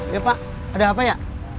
ya pak ada apa ya